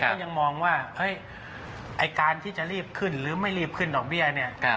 ก็ยังมองว่าเฮ้ยไอ้การที่จะรีบขึ้นหรือไม่รีบขึ้นดอกเบี้ยเนี่ย